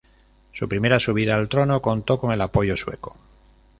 Su primera subida al trono contó con el apoyo sueco.